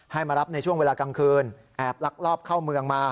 มารับในช่วงเวลากลางคืนแอบลักลอบเข้าเมืองมา